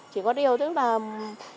chỉ có điều tức là mọi người cũng đồng ý